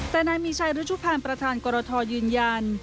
แต่นายมีชายฤทธิ์ชุดปัจจุบันประธานกรทยืนยัน